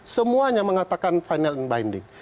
semuanya mengatakan final and binding